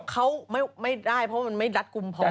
เขาไม่ได้เพราะมันไม่รัดกลุ่มพอ